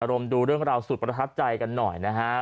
ดูเรื่องราวสุดประทับใจกันหน่อยนะฮะ